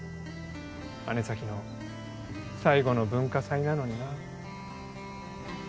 姉崎の最後の文化祭なのになぁ。